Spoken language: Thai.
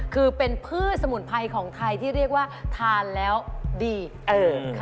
คือเป็นพืชสมุนไพรของไทยที่เรียกว่าทานแล้วดีเออค่ะ